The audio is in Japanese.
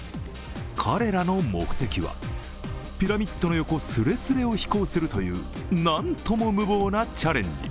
彼らの目的はピラミッドの横すれすれを飛行するという何とも無謀なチャレンジ。